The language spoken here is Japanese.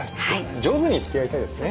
上手につきあいたいですね。